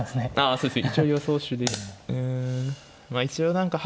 そうですね。